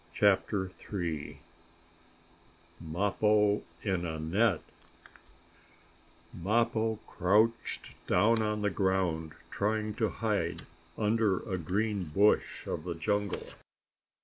CHAPTER III MAPPO IN A NET Mappo crouched down on the ground, trying to hide under a green bush of the jungle.